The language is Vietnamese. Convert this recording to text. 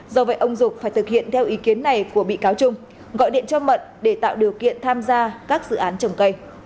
do vậy ông dục phải thực hiện theo ý kiến này của bị cáo trung gọi điện cho mận để tạo điều kiện tham gia các dự án trồng cây